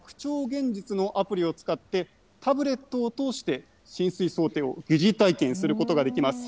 現実のアプリを使って、タブレットを通して、浸水想定を疑似体験することができます。